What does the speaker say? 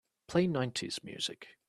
Play nineties music.